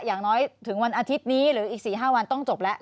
อย่างน้อยถึงวันอาทิตย์นี้หรืออีก๔๕วันต้องจบแล้ว